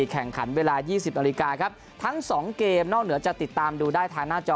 แข่งขันเวลา๒๐นาฬิกาครับทั้งสองเกมนอกเหนือจะติดตามดูได้ทางหน้าจอ